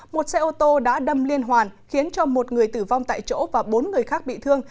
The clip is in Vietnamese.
một xe ô tô đã đâm liên hoàn khiến cho một người tử vong tại chỗ và bốn người khác bị thương